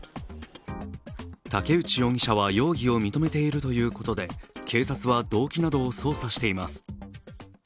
竹内容疑者は容疑を認めているということで警察は動機などを捜査しています。